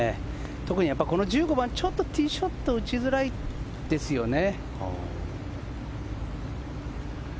特に１５番はティーショットが打ちづらいですよね。